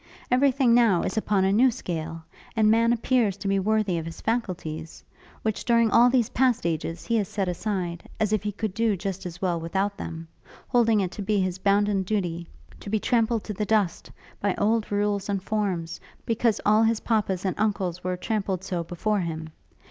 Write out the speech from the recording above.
Every thing now is upon a new scale, and man appears to be worthy of his faculties; which, during all these past ages, he has set aside, as if he could do just as well without them; holding it to be his bounden duty, to be trampled to the dust, by old rules and forms, because all his papas and uncles were trampled so before him.